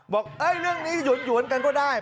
บอกเอ้ยเรื่องนี้หยุดหยุดกันก็ได้